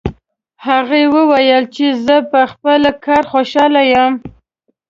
هغې وویل چې زه په خپل کار خوشحاله یم